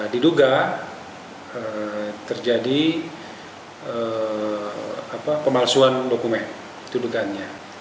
diduga terjadi pemalsuan dokumen tuduhannya